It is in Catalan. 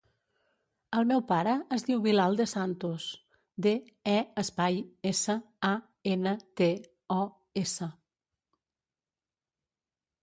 El meu pare es diu Bilal De Santos: de, e, espai, essa, a, ena, te, o, essa.